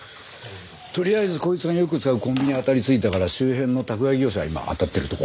とりあえずこいつがよく使うコンビニ当たりついたから周辺の宅配業者を今あたってるとこ。